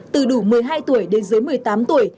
từ đủ một mươi hai tuổi đến dưới một mươi tám tuổi